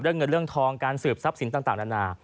เรื่องเงินเรื่องทองการสืบทรัพย์สินต่างนานา